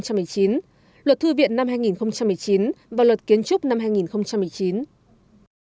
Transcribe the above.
cụ thể luật bảo vệ bí mật nhà nước sửa đổi năm hai nghìn một mươi chín luật bảo vệ bí mật nhà nước sửa đổi năm hai nghìn một mươi chín